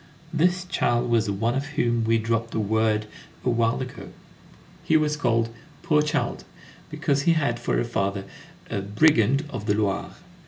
This child was the one of whom we dropped a word a while ago. He was called "poor child," because he had for a father "a brigand of the Loire."